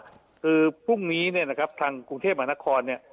คือพรุ่งนี้เนี่ยนะครับทางกรุงเทพมหานครเนี่ย